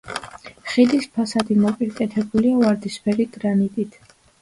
ხიდის ფასადი მოპირკეთებულია ვარდისფერი გრანიტით.